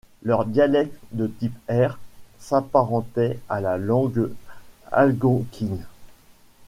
Leur dialecte de type R s'apparentait à la langue algonquine.